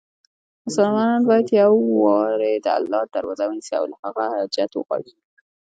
مسلمان باید یووازې د الله دروازه ونیسي، او له هغه هر حاجت وغواړي.